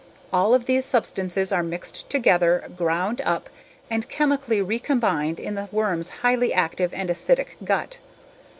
All of these substances are mixed together, ground up, and chemically recombined in the worm's highly active and acidic gut.